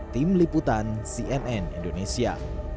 tim liputan cnn indonesia